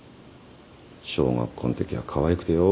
小学校んときはかわいくてよ。